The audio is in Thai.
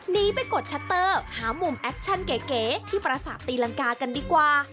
หนีไปกดชัตเตอร์หามุมแอคชั่นเก๋ที่ประสาทตีรังกากันดีกว่า